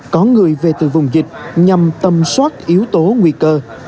có người về từ vùng dịch nhằm tầm soát yếu tố nguy cơ